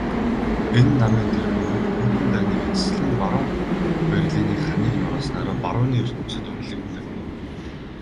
Энэ намын тэргүүнүүд хүйтэн дайныг эцэслэн баруун Берлиний ханыг нурааснаараа барууны ертөнцөд үнэлэгддэг.